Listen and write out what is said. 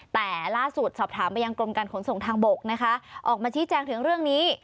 แต่ล่าสุดสอบถามไปยังกรมการขนส่งทางบกนะคะออกมาชี้แจงถึงเรื่องนี้